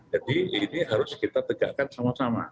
jadi ini harus kita tegakkan sama sama